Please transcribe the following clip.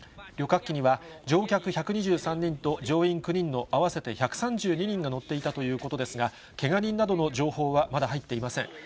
旅客機には乗客１２３人と、乗員９人の合わせて１３９人が乗っていたということですが、けが人などの情報はまだ入っていません。